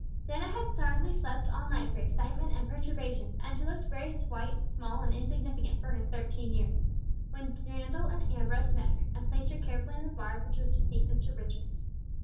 Dennet had hardly slept all night for excitement and perturbation, and she looked very white, small, and insignificant for her thirteen years, when Randall and Ambrose met her, and placed her carefully in the barge which was to take them to Richmond.